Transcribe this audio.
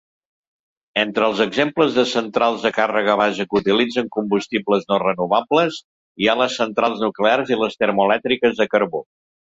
Entre els exemples de centrals de càrrega base que utilitzen combustibles no renovables hi ha les centrals nuclears i les termoelèctriques a carbó.